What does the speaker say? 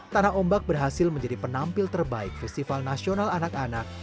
tanah ombak berhasil menjadi penampil terbaik festival nasional anak anak